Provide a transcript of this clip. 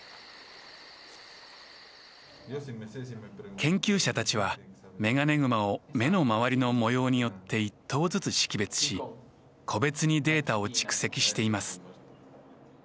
研究者たちはメガネグマを目の周りの模様によって一頭ずつ識別し個別にデータを蓄積しています。